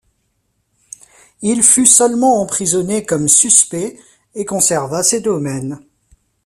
Il fut seulement emprisonné comme suspect, et conserva ses domaines.